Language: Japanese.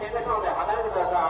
離れてください。